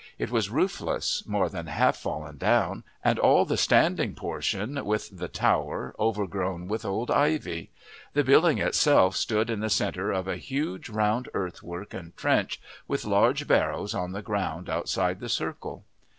It was roofless, more than half fallen down, and all the standing portion, with the tower, overgrown with old ivy; the building itself stood in the centre of a huge round earthwork and trench, with large barrows on the ground outside the circle.